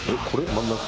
真ん中？